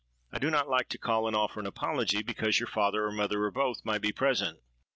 I do not like to call and offer an apology, because your father or mother, or both, might be present.